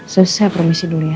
selesai promisi dulu ya